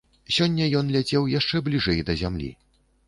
Сёння ён ляцеў яшчэ бліжэй да зямлі.